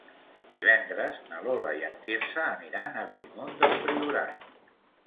Divendres na Lola i en Quirze aniran a Bellmunt del Priorat.